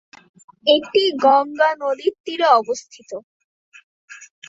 এটি গঙ্গা নদীর তীরে অবস্থিত।